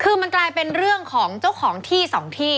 คือมันกลายเป็นเรื่องของเจ้าของที่สองที่